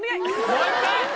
もう一回！